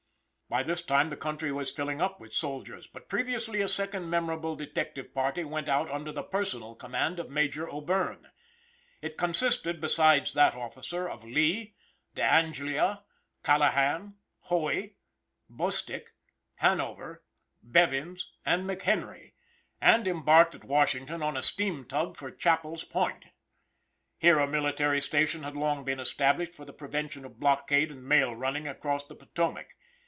By this time the country was filling up with soldiers, but previously a second memorable detective party went out under the personal command of Major O'Bierne. It consisted, besides that officer, of Lee, D'Angellia, Callahan, Hoey, Bostwick, Hanover, Bevins, and McHenry, and embarked at Washington on a steam tug for Chappell's Point. Here a military station had long been established for the prevention of blockade and mail running across the Potomao.